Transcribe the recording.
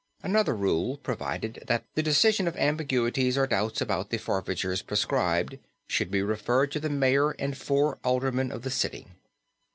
Another rule provided that the decision of ambiguities or doubts about the forfeitures prescribed should be referred to the mayor and four aldermen of the city.